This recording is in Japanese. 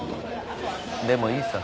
でもいいさ。